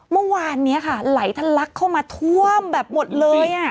เมื่อวานนี้ค่ะไหลทะลักเข้ามาท่วมแบบหมดเลย